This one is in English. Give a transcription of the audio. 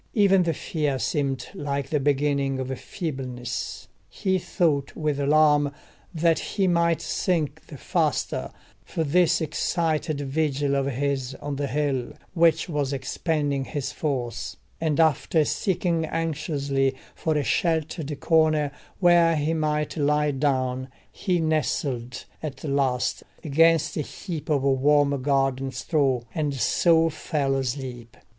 Even the fear seemed like the beginning of feebleness: he thought with alarm that he might sink the faster for this excited vigil of his on the hill, which was expending his force; and after seeking anxiously for a sheltered corner where he might lie down, he nestled at last against a heap of warm garden straw, and so fell asleep.